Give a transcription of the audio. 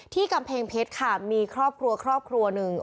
กำแพงเพชรค่ะมีครอบครัวครอบครัวหนึ่ง